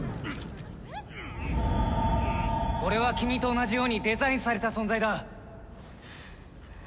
俺は君と同じようにデザインされた存在だ。